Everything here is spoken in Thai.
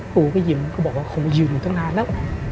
ปูก็ยิ้มก็บอกว่าคงยืนอยู่ตั้งนานแล้ว